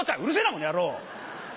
この野郎！